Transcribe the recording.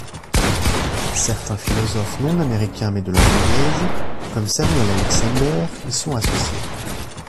Certains philosophes non américains mais de langue anglaise, comme Samuel Alexander, y sont associés.